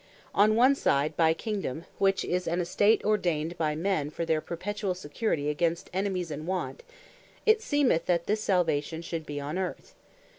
On one side, by Kingdome (which is an estate ordained by men for their perpetuall security against enemies, and want) it seemeth that this Salvation should be on Earth.